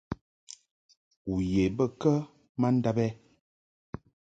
U ye bə kə ma ndab ɛ ?